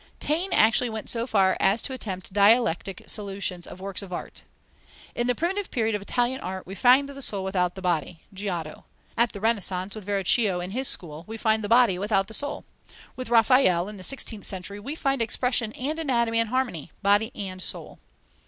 Taine actually went so far as to attempt dialectic solutions of works of art! "In the primitive period of Italian art, we find the soul without the body: Giotto. At the Renaissance, with Verrocchio and his school, we find the body without the soul. With Raphael, in the sixteenth century, we find expression and anatomy in harmony: body and soul."